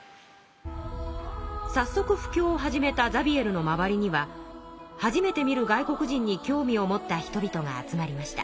さっそく布教を始めたザビエルの周りには初めて見る外国人に興味を持った人々が集まりました。